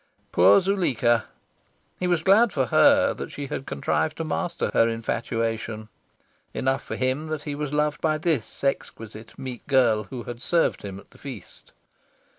Poor Zuleika! He was glad for her that she had contrived to master her infatuation... Enough for him that he was loved by this exquisite meek girl who had served him at the feast.